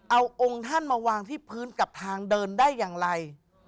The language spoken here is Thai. เอาองค์ท่านมาวางที่พื้นกับทางเดินได้อย่างไร